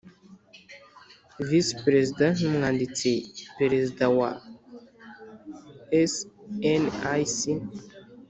V perezida n umwanditsi perezida wa snic